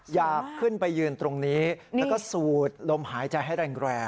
อยากขึ้นไปยืนตรงนี้แล้วก็สูดลมหายใจให้แรง